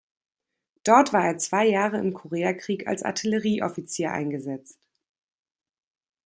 Dort war er zwei Jahre im Korea-Krieg als Artillerie-Offizier eingesetzt.